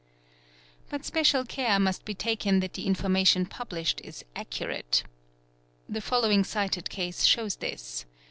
| But special care must be taken that the information published is accurate. The following cited case shows this.